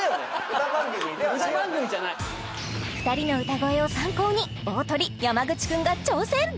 歌番組じゃない２人の歌声を参考に大トリ・山口君が挑戦！